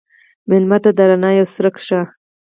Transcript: مېلمه ته د رڼا یو څرک شه.